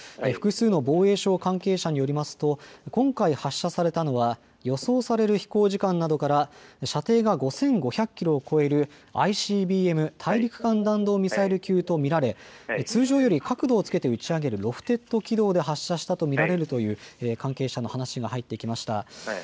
複数の防衛省関係者によりますと今回発射されたのは予想される飛行時間などから射程が５５００キロを超えるＩＣＢＭ・大陸間弾道ミサイル級と見られ通常より角度をつけて打ち上げるロフテッド軌道で発射したと見られるという関係者の話が入ってきました。